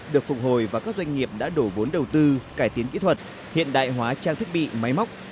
được phục hồi và các doanh nghiệp đã đổ vốn đầu tư cải tiến kỹ thuật hiện đại hóa trang thiết bị máy móc